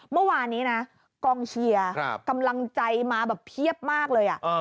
เมื่อวานนี้นะกองเชียร์กำลังใจมาแบบเพียบมากเลย